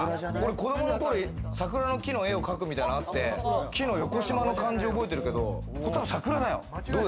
子どもの頃、桜の木の絵を描くみたいのがあって、木の横しまの感じを覚えてるけれども、これ桜だよ。